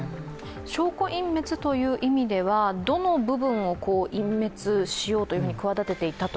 証拠隠滅という意味ではどの部分を隠滅しようと企てたと？